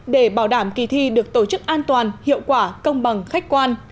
để bảo đảm kỳ thi được tổ chức an toàn hiệu quả công bằng khách quan